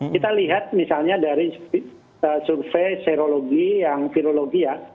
kita lihat misalnya dari survei serologi yang virologi ya